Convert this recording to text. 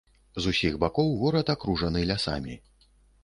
З усіх бакоў горад акружаны лясамі.